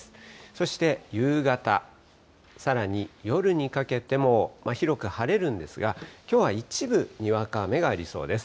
そして夕方、さらに夜にかけても、広く晴れるんですが、きょうは一部、にわか雨がありそうです。